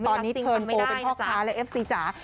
ตอนนี้เทิร์นโปรเป็นพ่อค้าและเอฟซีจ๋า